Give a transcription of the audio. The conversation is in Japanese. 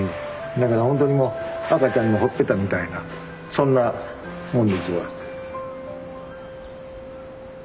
だからほんとにもう赤ちゃんのほっぺたみたいなそんなもんですわ。